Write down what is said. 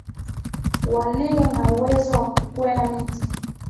walio na uwezo wa kukwea miti